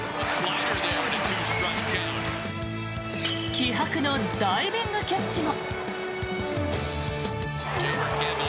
気迫のダイビングキャッチも。